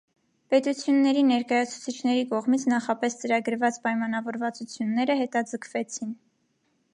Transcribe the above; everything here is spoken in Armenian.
Պետությունների ներկայացուցիչների կողմից նախապես ծրագրված պայմանավորվածությունները հետաձգվեցին։